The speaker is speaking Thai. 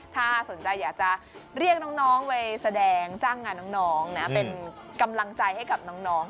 ถ้าสนใจอยากจะเรียกน้องไปแสดงจ้างงานน้องนะเป็นกำลังใจให้กับน้อง